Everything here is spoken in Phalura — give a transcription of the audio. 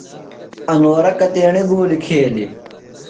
انورہ کتیݨیۡ گُولیۡ کھیلیۡ؟